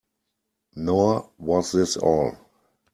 Nor was this all.